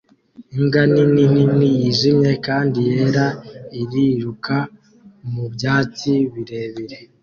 Imbwa nini nini yijimye kandi yera iriruka mu byatsi birebire